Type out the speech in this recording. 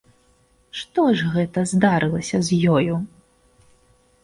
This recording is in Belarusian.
Што ж гэта здарылася з ёю?